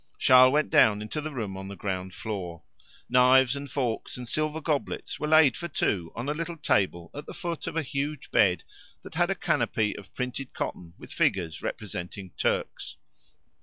Charles went down into the room on the ground floor. Knives and forks and silver goblets were laid for two on a little table at the foot of a huge bed that had a canopy of printed cotton with figures representing Turks.